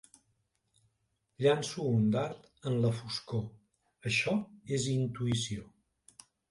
Llanço un dard en la foscor, això és intuïció.